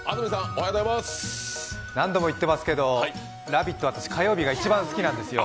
何度も言ってますけど「ラヴィット！」は私、火曜日が一番好きなんですよ。